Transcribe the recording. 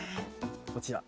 こちら。